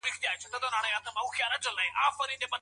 د عمر مانا په توکل او صبر کي د